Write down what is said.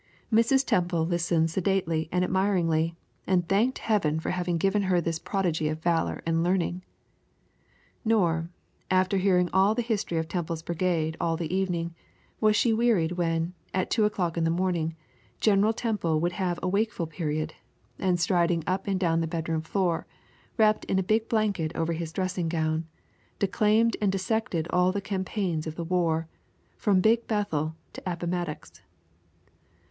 Mrs. Temple listened sedately and admiringly, and thanked Heaven for having given her this prodigy of valor and learning. Nor, after hearing the History of Temple's Brigade all the evening, was she wearied when, at two o'clock in the morning, General Temple would have a wakeful period, and striding up and down the bedroom floor, wrapped in a big blanket over his dressing gown, declaimed and dissected all the campaigns of the war, from Big Bethel to Appomattox.